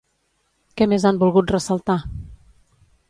Què més han volgut ressaltar?